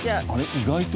意外と。